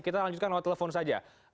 kita lanjutkan lewat telepon saja